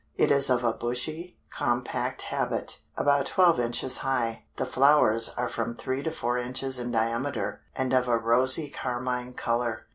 It is of a bushy, compact habit, about twelve inches high, the flowers are from three to four inches in diameter, and of a rosy carmine color.